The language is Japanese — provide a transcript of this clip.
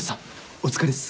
お疲れっす。